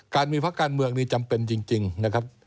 มีพักการเมืองนี้จำเป็นจริงนะครับ